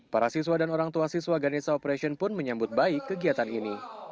para siswa dan orang tua siswa ganesa operation pun menyambut baik kegiatan ini